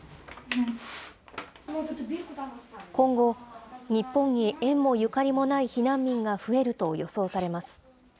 今後、日本に縁もゆかりもない避難民が増えると予想されます。